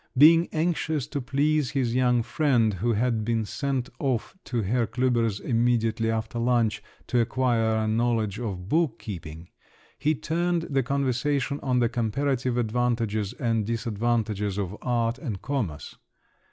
Being anxious to please his young friend, who had been sent off to Herr Klüber's immediately after lunch, to acquire a knowledge of book keeping, he turned the conversation on the comparative advantages and disadvantages of art and commerce.